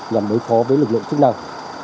nhằm đối phó với lực lượng chức năng